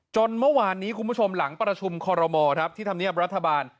จนเมื่อวานนี้คุณผู้ชมหลังประชุมคอรมอครับที่ธรรมเนียบรัฐบาล